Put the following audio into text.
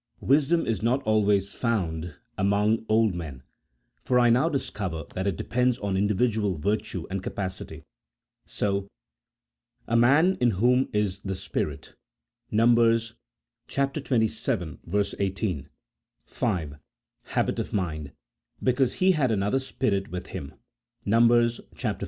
wisdom is not always found among old men, for I now discover that it depends on individual virtue and capacity. So, "A man in whom is the Spirit," Numbers xxvii. 18. (5.) Habit of mind :" Because he had another spirit with Mm," Numbers xiv.